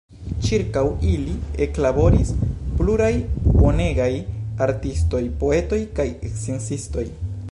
Ĉirkaŭ ili eklaboris pluraj bonegaj artistoj, poetoj kaj sciencistoj.